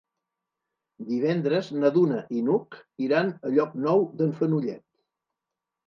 Divendres na Duna i n'Hug iran a Llocnou d'en Fenollet.